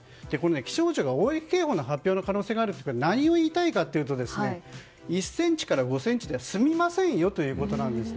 気象庁が大雪警報の発表の可能性があるって何を言いたいかというと１ｃｍから５ｃｍでは済みませんよということなんです。